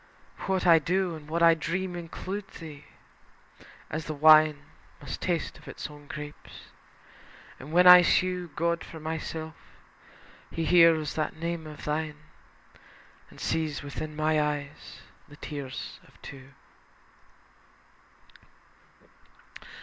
What I do And what I dream include thee, as the wine Must taste of its own grapes. And when I sue God for myself, He hears that name of thine, And sees within my eyes the tears of two.